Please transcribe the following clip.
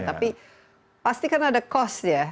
tapi pasti kan ada cost ya